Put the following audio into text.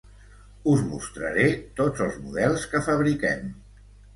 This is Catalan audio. Us mostraré tots els models que fabriquem.